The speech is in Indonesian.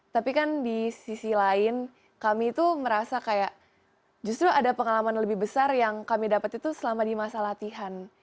tapi kan di sisi lain kami itu merasa kayak justru ada pengalaman lebih besar yang kami dapat itu selama di masa latihan